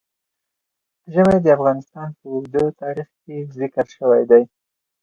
ژمی د افغانستان په اوږده تاریخ کې ذکر شوی دی.